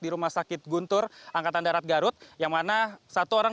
di rumah sakit guntur angkatan darat garut yang mana satu orang